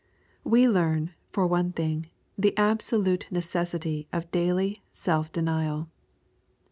We learn, for one thing, the absolute necessity of daily sel/'demal.